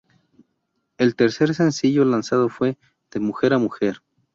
El tercer sencillo lanzado fue "De mujer a mujer".